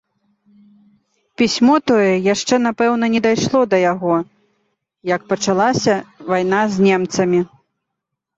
Пісьмо тое яшчэ, напэўна, не дайшло да яго, як пачалася вайна з немцамі.